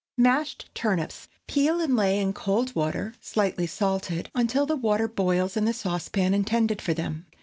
MASHED TURNIPS. Peel and lay in cold water, slightly salted, until the water boils in the saucepan intended for them.